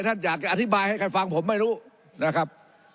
ท่านอยากจะอธิบายให้ใครฟังผมไม่รู้นะครับ